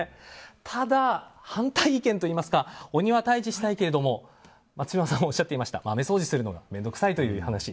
ただ、反対意見といいますか鬼は退治したいけれど松嶋さんおっしゃっていました豆掃除するのが面倒くさいという話。